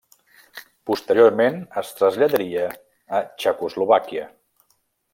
Posteriorment es traslladaria a Txecoslovàquia.